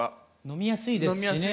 飲みやすいですしね。